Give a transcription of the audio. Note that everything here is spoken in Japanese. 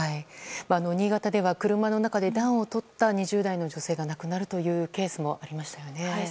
新潟では車の中で暖をとった２０代の女性が亡くなるというケースもありましたね。